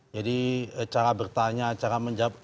jadi cara bertanya cara menjawab